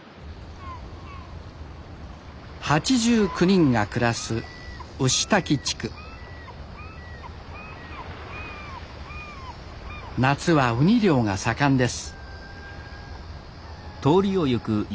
８９人が暮らす牛滝地区夏はウニ漁が盛んです